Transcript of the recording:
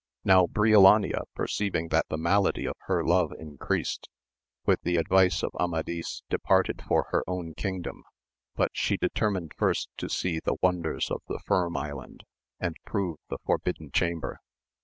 Now Briolania perceiving that the malady of her lore increased, with the advice of Amadis departed fot her own kingdom ; but she determined first to see the wonders of the Firm Island, and prove the Forbidden Chamber.